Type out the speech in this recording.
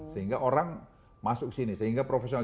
sehingga orang masuk ke sini sehingga professional